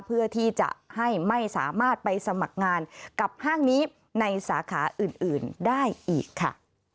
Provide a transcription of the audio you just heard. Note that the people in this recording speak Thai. เพื่อที่จะให้ไม่สามารถไปสมัครงานกับห้างนี้ในสาขาอื่นได้อีกค่ะ